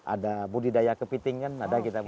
ada budidaya kepiting kan ada kita